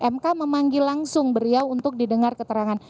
mk memanggil langsung beliau untuk didengar keterangan